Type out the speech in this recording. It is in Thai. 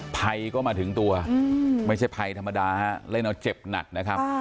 ภัยก็มาถึงตัวไม่ใช่ภัยธรรมดาฮะเล่นเอาเจ็บหนักนะครับ